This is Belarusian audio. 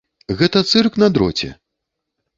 Гэта цырк на дроце!